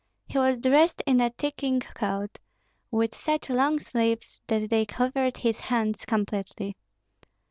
He was dressed in a ticking coat, with such long sleeves that they covered his hands completely.